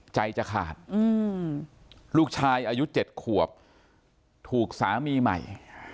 ใจจะขาดลูกชายอายุ๗ขวบถูกสามีใหม่